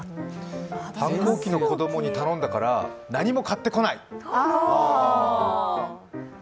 反抗期の子供に頼んだから、何も買ってこない？